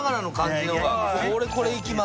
俺これいきます。